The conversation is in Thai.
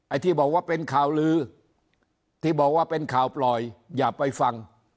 ที่บอกว่าเป็นข่าวลือที่บอกว่าเป็นข่าวปล่อยอย่าไปฟัง